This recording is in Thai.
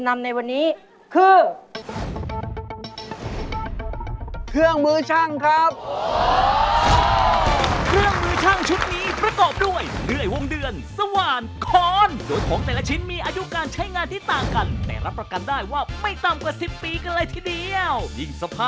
แต่เครื่องมือเหล่านี้แล้วคุณผู้ชม